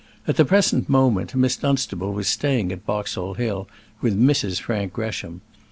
At the present moment Miss Dunstable was staying at Boxall Hill with Mrs. Frank Gresham.